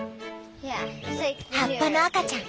葉っぱの赤ちゃん。